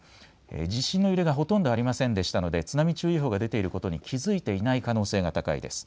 地震の揺れがほとんどありませんでしたので津波注意報が出ていることに気付いていない可能性が高いです。